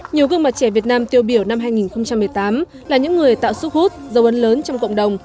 nhiều gương mặt trẻ việt nam tiêu biểu năm hai nghìn một mươi tám là những người tạo sức hút dấu ấn lớn trong cộng đồng